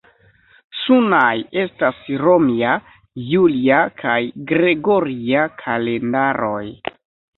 Sunaj estas romia, julia kaj gregoria kalendaroj.